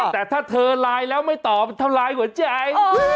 แต่ถ้าเธอไลน์แล้วไม่ตอบทำลายหัวใจ